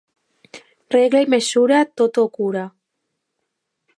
Regla i mesura tot ho cura.